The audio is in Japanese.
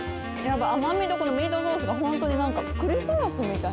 甘みとこのミートソースがホントに何かクリスマスみたい。